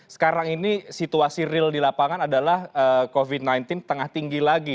sekarang ini situasi real di lapangan adalah covid sembilan belas tengah tinggi lagi